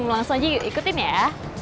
langsung aja ikutin ya